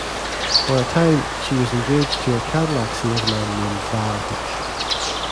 For a time, she was engaged to a Cadillac salesman named Val Hush.